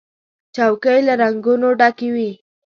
چوکۍ له رنګونو ډکې وي.